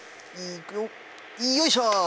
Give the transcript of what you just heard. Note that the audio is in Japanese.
いくよよいしょ！